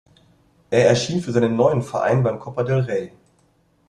Er erschien für seinen neuen Verein beim Copa del Rey.